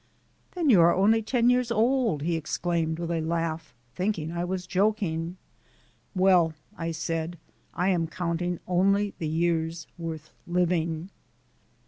"Then you are only ten years old!" he exclaimed with a laugh, thinking I was joking. "Well," I said, "I am counting only the years worth living."